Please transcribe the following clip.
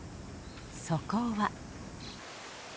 そこは。